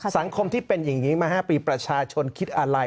ที่เป็นอย่างนี้มา๕ปีประชาชนคิดอะไร